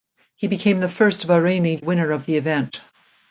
He became the first Bahraini winner of the event.